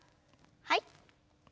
はい。